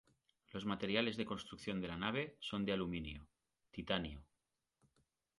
Los materiales de construcción de la nave son de aluminio, titanio.